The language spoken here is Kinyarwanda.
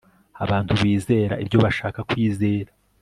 abantu bizera ibyo bashaka kwizera